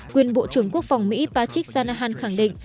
quyền bộ trưởng quốc phòng mỹ patrick sanahan khẳng định